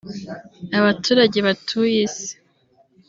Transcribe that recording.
Abaturage batuye isi